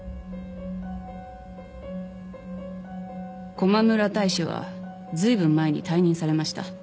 駒村大使はずいぶん前に退任されました。